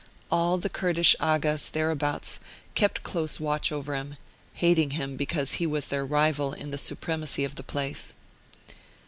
All the Kurdish Aghas thereabouts kept close watch over him, hating" him because he was their rival in the supremacy of the place.